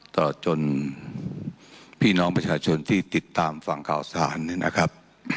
ตลอดจนพี่น้องประชาชนที่ติดตามฝั่งข่าวสถานนะครับ